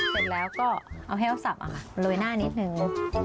เสร็จแล้วก็เอาแห้วสับโรยหน้านิดนึง